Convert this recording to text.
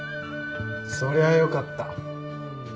そりゃよかった。